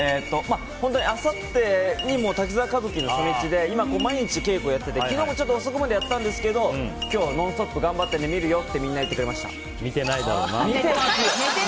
あさってに「滝沢歌舞伎」の初日で今毎日、稽古をやってて昨日も遅くまでやってたんですけど今日「ノンストップ！」頑張って見るよって見てないだろうな。